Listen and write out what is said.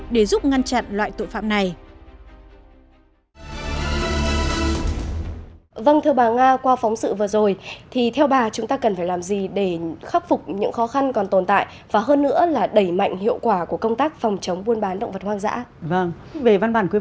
để giúp ngăn chặn loại tội phạm này